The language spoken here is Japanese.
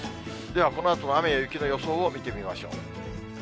ではこのあとの雨や雪の予想を見てみましょう。